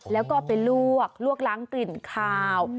แล้วก็ไปลวกลวกล้างกลิ่นคาว